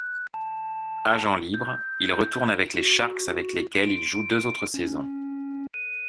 Agent libre, il retourne avec les Sharks avec lesquels il joue deux autres saisons.